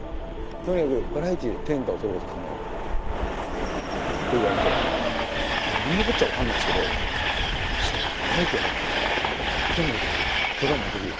「とにかくバラエティーで天下を取ることを考えろ」って言われて何のこっちゃ分からないですけどそうかバラエティーやれば歌も歌えるドラマもできる。